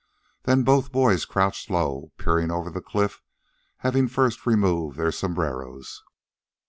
Then both boys crouched low, peering over the cliff, having first removed their sombreros.